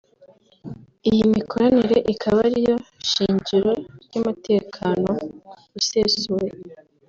Iyi mikoranire ikaba ariyo shingiro ry’umutekano usesuye